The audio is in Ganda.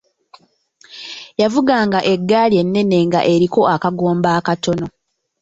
Yavuga nga eggaali ennene nga eriko akagoombe akatono.